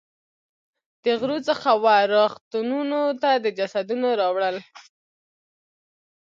د غرو څخه وه رغتونونو ته د جسدونو راوړل.